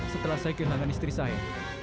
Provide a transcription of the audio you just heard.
setelah saya kehilangan istri saya